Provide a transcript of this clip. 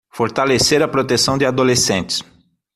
Fortalecer a proteção de adolescentes